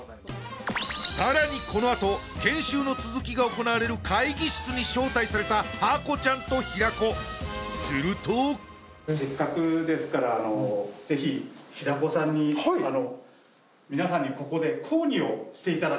さらにこのあと研修の続きが行われる会議室に招待されたハコちゃんと平子するとせっかくですからしていただこうかと思ってます